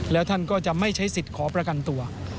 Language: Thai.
แล้วท่านก็จะไม่ใช้สิทธิ์ขอประกันตัว